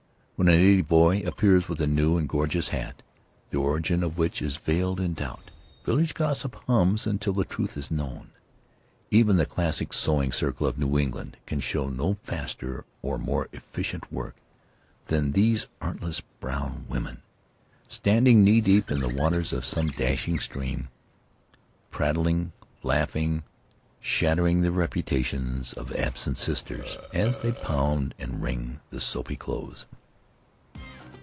When a native boy appears with a new and gorgeous hat, the origin of which is veiled in doubt, village gossip hums until the truth is known; even the classic sewing circle of New England can show no faster or more efficient work than these artless brown women, standing knee deep in the waters of some dashing stream, prattling, laugh At the House of Tari ing, shattering the reputations of absent sisters, as they pound and wring the soapy clothes.